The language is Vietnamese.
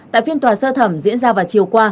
tại phiên tòa sơ thẩm diễn ra vào chiều qua